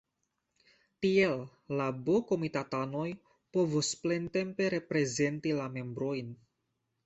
Tiel la B-komitatanoj povos plentempe reprezenti la membrojn.